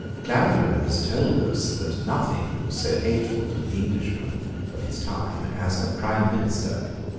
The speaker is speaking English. Clarendon has told us that nothing was so hateful to the Englishmen of his time as a Prime Minister.